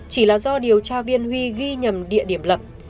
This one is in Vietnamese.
chỉ là do điều tra viên huy ghi nhầm địa điểm lập